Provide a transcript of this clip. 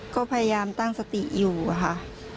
ก็พยายามตั้งสติอยู่ค่ะ